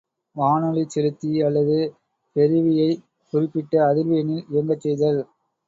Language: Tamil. வானொலிச் செலுத்தி அல்லது பெறுவியைக் குறிப் பிட்ட அதிர்வு எண்ணில் இயங்கச் செய்தல்.